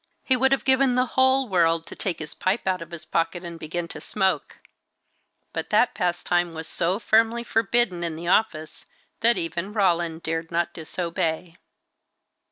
He would have given the whole world to take his pipe out of his pocket and begin to smoke; but that pastime was so firmly forbidden in the office, that even Roland dared not disobey.